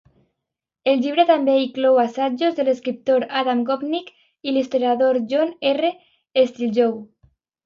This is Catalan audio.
El llibre també inclou assajos de l'escriptor Adam Gopnik i l'historiador John R. Stilgoe.